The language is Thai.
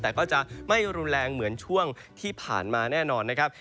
แต่ก็จะไม่รุนแรงเหมือนช่วงที่ผ่านมาแน่นอนนะครับ